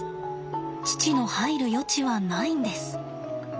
父の入る余地はないんです。